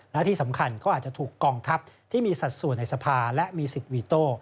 และที่สำคัญก็อาจจะถูกกองทัพที่มีสัดส่วนในสภาและมีสิทธิ์วีโต้